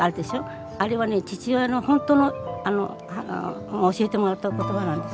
あれはね父親の本当のあの教えてもらった言葉なんです。